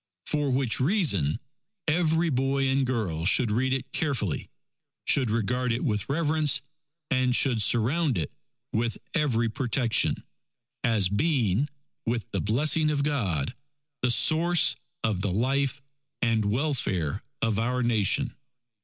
For which reason every boy and girl should read it carefully, should regard it with reverence, and should surround it with every protection, as being, with the blessing of God, the source of the life and welfare of our Nation.